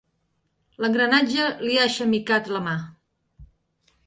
L'engranatge li ha xemicat la mà.